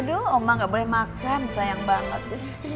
aduh oma gak boleh makan sayang banget